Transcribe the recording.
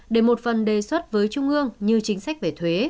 để một phần đề xuất với trung ương như chính sách về thuế